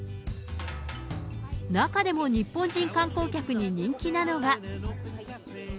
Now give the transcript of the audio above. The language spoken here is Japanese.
中でも日本人観光客に人気なのは。